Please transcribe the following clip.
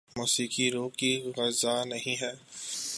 موسیقی روح کی غذا نہیں ہے